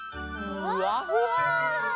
ふわふわ！